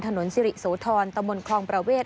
ถนนสิริสวทรตมคลองประเวท